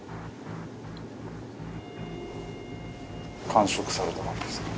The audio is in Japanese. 完食されたんですか？